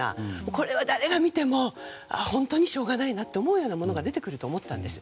これは誰が見ても本当にしょうがないなと思うようなものが出てくると思ったんです。